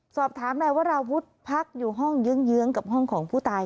สอบถามนายวราวุฒิพักอยู่ห้องเยื้องกับห้องของผู้ตาย